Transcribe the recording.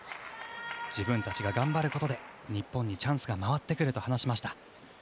自分たちが頑張ることで日本にチャンスが回ってくると話しました。